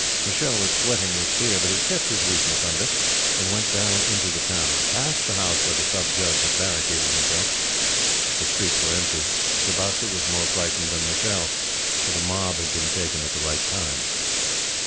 Michele was sweating with fear, but he kept his weakness under, and went down into the town, past the house where the Sub Judge had barricaded himself. The streets were empty. Tibasu was more frightened than Michele, for the mob had been taken at the right time.